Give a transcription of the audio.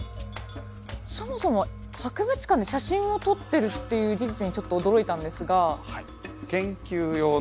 そもそも博物館で写真を撮ってるという事実にちょっと驚いたんですが。